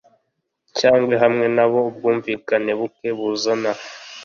Cyangwa hamwe nabo ubwumvikane buke buzana